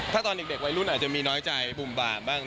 ถ้าตอนเด็กวัยรุ่นอาจจะมีน้อยใจบุ่มบามบ้าง